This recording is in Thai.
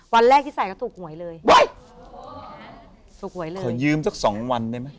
วันแรกที่ใส่ก็ถูกหวยเลยเคยืมสักสองวันเลยไหม